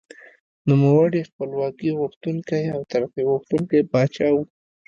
نوموړی خپلواکي غوښتونکی او ترقي خوښوونکی پاچا و.